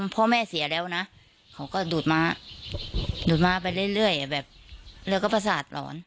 พ่อแม่เสียแล้วนะเขาก็ดูดม้าดูดม้าไปเรื่อยแบบเรือก็ประสาทหลอน